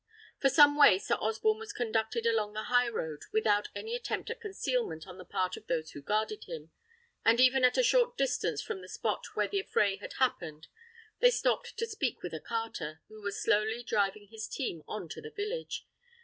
For some way Sir Osborne was conducted along the highroad without any attempt at concealment on the part of those who guarded him; and even at a short distance from the spot where the affray had happened they stopped to speak with a carter, who was slowly driving his team on to the village.